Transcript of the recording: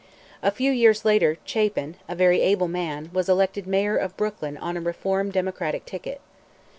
A few years later Chapin, a very able man, was elected Mayor of Brooklyn on a reform Democratic ticket.